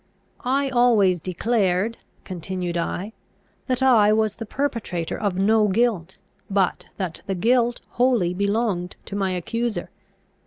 "I always declared," continued I, "that I was the perpetrator of no guilt, but that the guilt wholly belonged to my accuser.